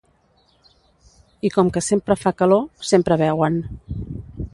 I com que sempre fa calor, sempre beuen.